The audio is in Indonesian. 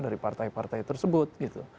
dari partai partai tersebut